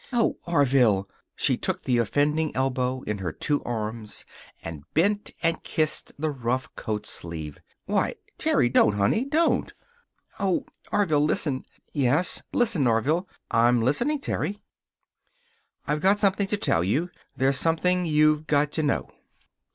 "Oh, Orville!" She took the offending elbow in her two arms, and bent and kissed the rough coat sleeve. "Why, Terry! Don't, honey. Don't!" "Oh, Orville, listen " "Yes." "Listen, Orville " "I'm listening, Terry." "I've got something to tell you. There's something you've got to know."